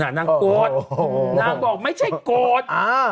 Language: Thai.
นางโกรธนางบอกไม่ใช่โกรธ